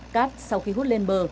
cát sau khi hút lên bờ